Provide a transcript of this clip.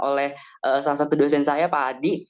oleh salah satu dosen saya pak adi